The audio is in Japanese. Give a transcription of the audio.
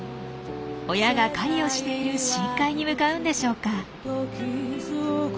親が狩りをしている深海に向かうんでしょうか。